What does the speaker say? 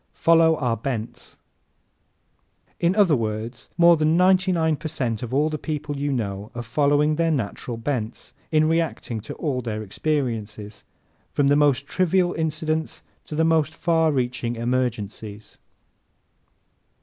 Follow Our Bents ¶ In other words, more than ninety nine per cent of all the people you know are following their natural bents in reacting to all their experiences from the most trivial incidents to the most far reaching emergencies.